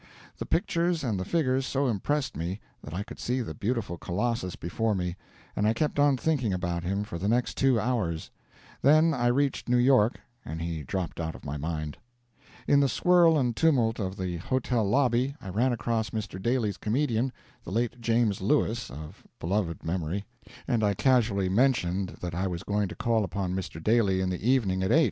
The pictures and the figures so impressed me, that I could see the beautiful colossus before me, and I kept on thinking about him for the next two hours; then I reached New York, and he dropped out of my mind. In the swirl and tumult of the hotel lobby I ran across Mr. Daly's comedian, the late James Lewis, of beloved memory, and I casually mentioned that I was going to call upon Mr. Daly in the evening at 8.